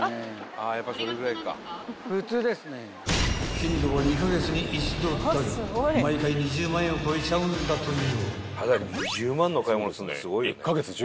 ［頻度は２カ月に１度だが毎回２０万円を超えちゃうんだとよ］